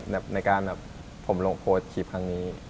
ในการแบบผมลงโพสต์คลิปครั้งนี้